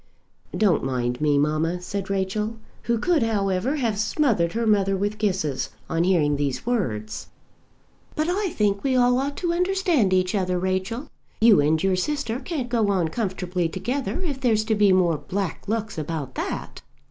"Don't mind me, mamma," said Rachel, who could, however, have smothered her mother with kisses, on hearing these words. "But I think we all ought to understand each other, Rachel. You and your sister can't go on comfortably together, if there's to be more black looks about that."